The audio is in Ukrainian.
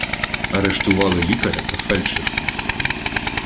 Арештували лікаря та фельдшерку.